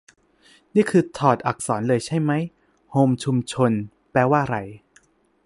นี่คือถอดอักษรเลยใช่มั๊ย - "โฮมชุมนุม" แปลว่าไร ?